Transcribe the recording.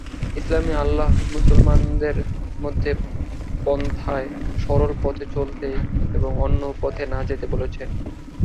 ইসলামে আল্লাহ মুসলমানদের মধ্য পন্থায়, সরল পথে চলতে এবং 'অন্য পথে' না যেতে বলেছেন।